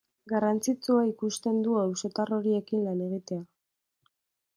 Garrantzitsua ikusten du auzotar horiekin lan egitea.